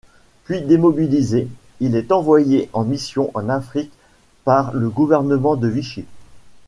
Puis, démobilisé, il est envoyé en mission en Afrique par le gouvernement de Vichy.